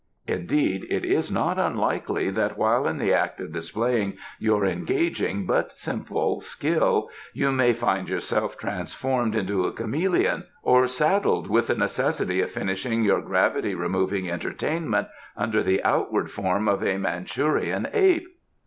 Indeed it is not unlikely that while in the act of displaying your engaging but simple skill you may find yourself transformed into a chameleon or saddled with the necessity of finishing your gravity removing entertainment under the outward form of a Manchurian ape."